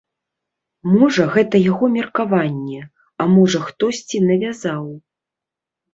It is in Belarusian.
Можа, гэта яго меркаванне, а можа, хтосьці навязаў.